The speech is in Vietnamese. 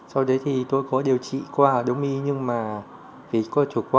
sau đấy thì tôi có điều trị qua đống y nhưng mà vì có trục